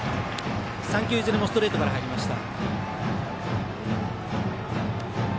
３球いずれもストレートから入りました。